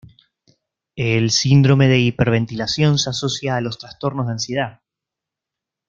El síndrome de hiperventilación se asocia a los trastornos de ansiedad.